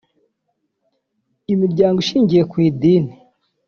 Imiryango ishingiye ku idini